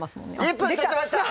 １分たちました！